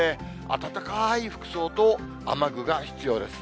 暖かい服装と雨具が必要です。